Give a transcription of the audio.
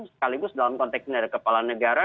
sekaligus dalam konteks dari kepala negara